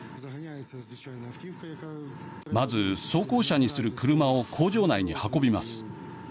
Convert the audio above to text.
まず装甲車にする車を工場内に運びます。